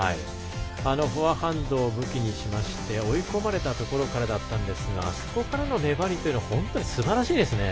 あのフォアハンドを武器にしまして追い込まれたところからだったんですがそこからの粘りが本当にすばらしいですね。